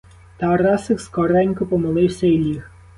Тарасик скоренько помолився й ліг.